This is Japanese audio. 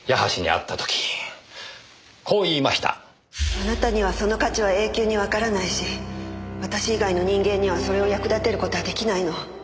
あなたにはその価値は永久にわからないし私以外の人間にはそれを役立てる事は出来ないの。